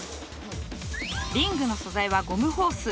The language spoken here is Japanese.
リングの素材はゴムホース。